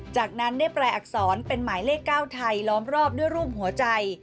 จากนั้นได้แปลอักษรเป็นหมายเลข๙ไทยล้อมรอบด้วยรูปหัวใจ